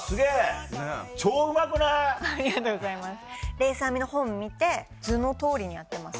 レース編みの本見て図のとおりにやってます。